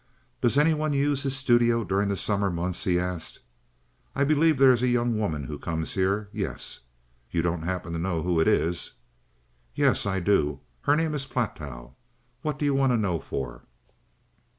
"Does any one use his studio during the summer months?" he asked. "I believe there is a young woman who comes here—yes." "You don't happen to know who it is?" "Yes, I do. Her name is Platow. What do you want to know for?"